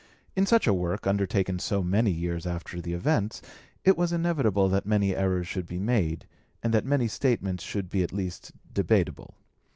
In such a work, undertaken so many years after the events, it was inevitable that many errors should be made, and that many statements should be at least debatable.